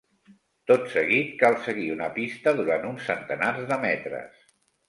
Tot seguit cal seguir una pista durant uns centenars de metres.